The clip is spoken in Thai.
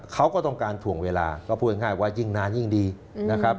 เขาก็ต้องการถ่วงเวลาก็พูดง่ายว่ายิ่งนานยิ่งดีนะครับ